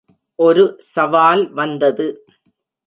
ஒரு சவால் வந்தது.